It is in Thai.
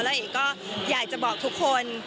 แล้วเอกก็อยากจะบอกทุกคน